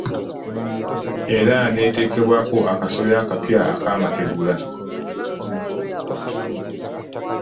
Era n'eteekebwako akasolya akapya ak'amategula